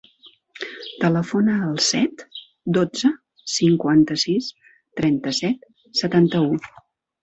Telefona al set, dotze, cinquanta-sis, trenta-set, setanta-u.